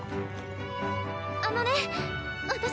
あのね私。